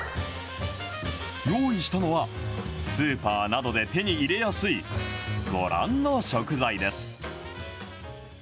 用意したのは、スーパーなどで手に入れやすい、ご覧の食材です。